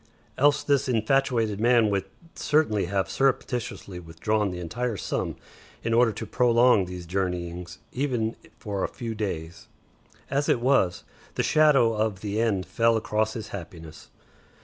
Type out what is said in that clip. Else this infatuated man would certainly have surreptitiously withdrawn the entire sum in order to prolong these journeyings even for a few days. As it was, the shadow of the end fell across his happiness.